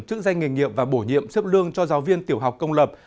chức danh nghề nghiệp và bổ nhiệm xếp lương cho giáo viên tiểu học công lập